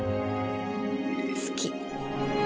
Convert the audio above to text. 好き。